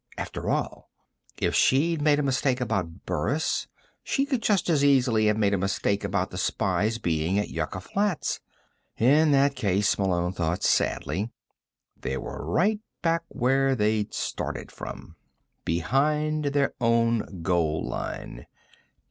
After all, if she'd made a mistake about Burris, she could just as easily have made a mistake about the spy's being at Yucca Flats. In that case, Malone thought sadly, they were right back where they'd started from. Behind their own goal line.